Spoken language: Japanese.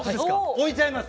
置いちゃいます。